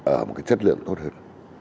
ở một cái chất lượng tốt hơn